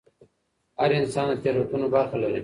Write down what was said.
هر انسان د تیروتنو برخه لري.